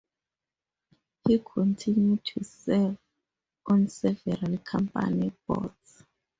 He continued to serve on several company boards.